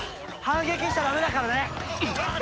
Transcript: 反撃しちゃダメだからね！